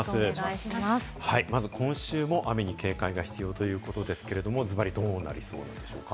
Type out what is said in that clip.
まず今週も雨に警戒が必要ということですけどズバリ、どうなりそうでしょうか？